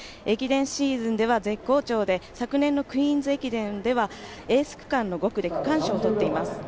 駅伝シーズンでは絶好調で、昨年のクイーンズ駅伝ではエース区間で区間賞を取っています。